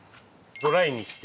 ドライにして。